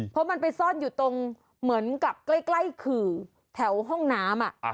เพราะมันไปซ่อนอยู่ตรงเหมือนกับใกล้ขื่อแถวห้องน้ำ